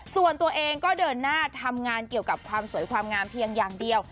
ส่วนตัวเองก็เดินหน้าทำงานเกี่ยวกับความสวยความงามเพียงอย่างเดียว